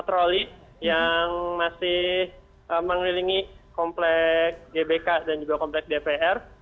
troli yang masih mengelilingi komplek gbk dan juga kompleks dpr